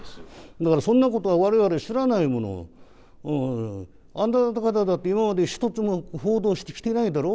だからそんなことはわれわれ知らないもの。あんた方だって、今まで一つも報道してきてないだろう。